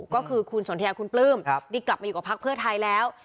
ก็คือคุณสนทยาคุณปลื้มที่กลับมาอยู่กับพักเพื่อไทยแล้ว